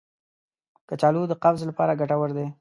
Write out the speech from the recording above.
کچالو د قبض لپاره ګټور دی.